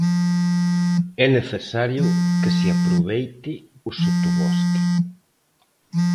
É necesario que se aproveite o sotobosque.